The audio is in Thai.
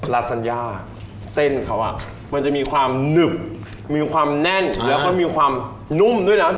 ลาซัญญาเส้นเขาอ่ะมันจะมีความหนึบมีความแน่นแล้วก็มีความนุ่มด้วยนะ